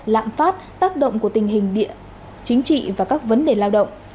lạm phát tác động của tình hình địa chính trị và các vấn đề lao động